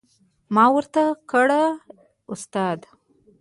ما ورته کړه استاده.